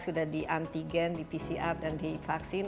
sudah di antigen di pcr dan di vaksin